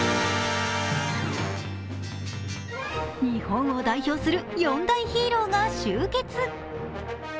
日本を代表する４大ヒーローが集結。